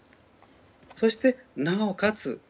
そして、なおかつ